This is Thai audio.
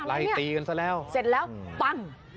ไล่ตีกันซะแล้วเสร็จแล้วปั้ง